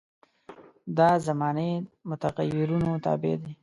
دا زماني متغیرونو تابع دي.